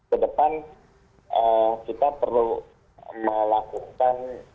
ke depan kita perlu melakukan